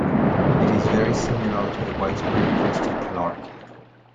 It is very similar to the widespread crested lark.